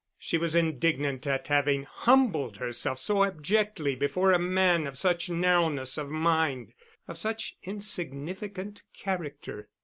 She was indignant at having humbled herself so abjectly before a man of such narrowness of mind, of such insignificant character.